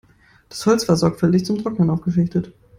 Das Holz war sorgfältig zum Trocknen aufgeschichtet.